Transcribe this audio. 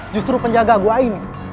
justru penjaga gua ini